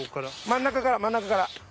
ん中から真ん中から。